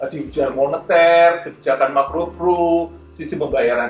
di kebijakan moneter kebijakan makro kro sisi pembayaran